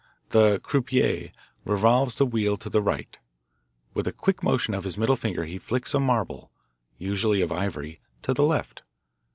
The "croupier" revolves the wheel to the right. With a quick motion of his middle finger he flicks a marble, usually of ivory, to the left.